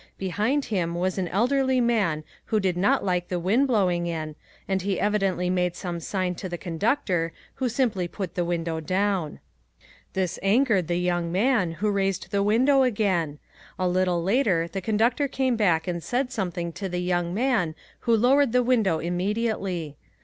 Behind him was an elderly man who did not like the wind blowing in and he evidently made some sign to the conductor, who simply put the window down. This angered the young man who raised the window again. A little later the conductor came back and said something to the young man who lowered the window immediately.